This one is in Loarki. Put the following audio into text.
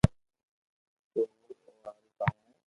تو ھون او ھارو ڪاو ھي